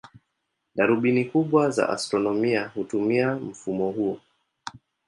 Darubini kubwa za astronomia hutumia mfumo huo.